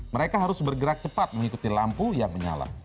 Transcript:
mereka harus bergerak cepat mengikuti lampu yang menyala